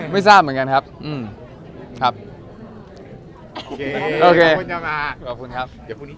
ไม่ทราบเหมือนกันครับอืมครับโอเคโอเคขอบคุณมากขอบคุณครับ